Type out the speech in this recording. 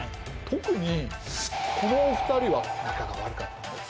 特にこのお二人は仲が悪かったんです。